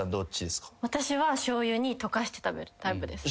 私はしょうゆに溶かして食べるタイプです。